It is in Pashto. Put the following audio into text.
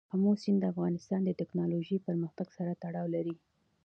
آمو سیند د افغانستان د تکنالوژۍ پرمختګ سره تړاو لري.